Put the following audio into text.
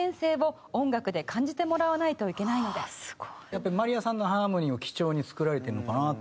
やっぱりまりやさんのハーモニーを基調に作られてるのかなと思って。